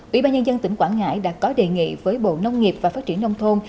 ủy ban nhân dân tỉnh quảng ngãi đã có đề nghị với bộ nông nghiệp và phát triển nông thôn